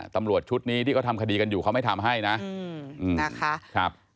ตำรวจชุดนี้ที่เขาทำคดีกันอยู่เขาไม่ทำให้นะนะคะ